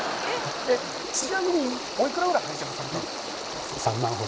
ちなみにおいくらくらい拝借された？